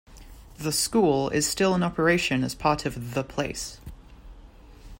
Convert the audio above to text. The School is still in operation as part of The Place.